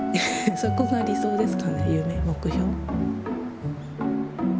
そこが理想ですかね夢目標。